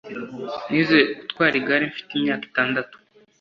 Nize gutwara igare mfite imyaka itandatu